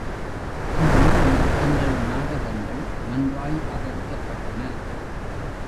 இவ்வூரில் எங்கள் நாடகங்கள் நன்றாய் ஆதரிக்கப் பட்டன.